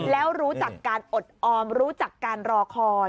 แล้วรู้จักการอดออมรู้จักการรอคอย